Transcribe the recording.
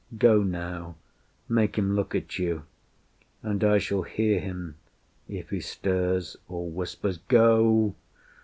Go now make him look at you And I shall hear him if he stirs or whispers. Go!